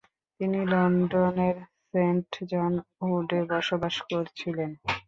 তিনি লন্ডনের Saint John উডে বসবাস করছিলেন।